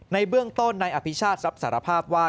ในเบื้องต้นนายอภิชาติรับสารภาพว่า